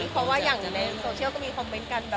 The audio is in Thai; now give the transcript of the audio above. เพราะว่าอย่างในโซเชียลก็มีคอมเมนต์กันแบบ